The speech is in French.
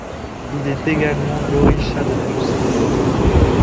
Il est également l'orisha de la justice.